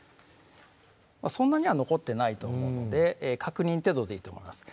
そんなには残ってないと思うので確認程度でいいと思います